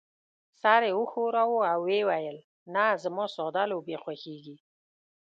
سر يې وښوراوه او وې ویل: نه، زما ساده لوبې خوښېږي.